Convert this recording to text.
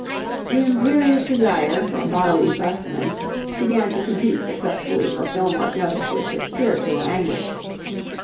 The imperious desire for bodily sustenance began to compete successfully for Fillmore's notice with his spiritual anguish.